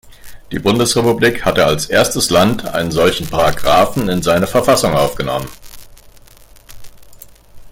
Die Bundesrepublik hatte als erstes Land einen solchen Paragraphen in seine Verfassung aufgenommen.